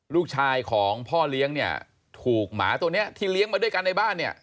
ลูกชายของพ่อเลี้ยงเนี่ยถูกหมาตัวนี้ที่เลี้ยงมาด้วยกันในบ้านเนี่ย